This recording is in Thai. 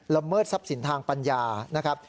ละเมิดทรัพย์สินทางปัญญา